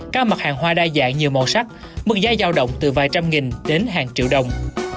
các mặt hàng hoa đa dạng nhiều màu sắc mức giá giao động từ vài trăm nghìn đến hàng triệu đồng